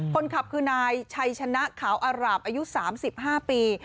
คนขับคือนายชัยชนะขาวอาราบอายุ๓๕ปี